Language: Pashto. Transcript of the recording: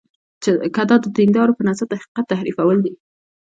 که دا د دیندارانو په نظر د حقیقت تحریفول دي.